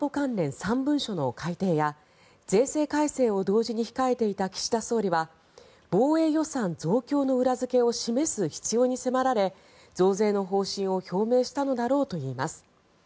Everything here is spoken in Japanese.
３文書の改定や税制改正を同時に控えていた岸田総理は防衛予算増強の裏付けを示す必要に迫られ増税の方針を表明したのだろうといいます。